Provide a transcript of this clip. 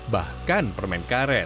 bahkan permen karet